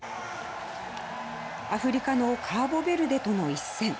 アフリカのカーボベルデとの一戦。